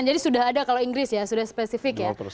jadi sudah ada kalau inggris ya sudah spesifik ya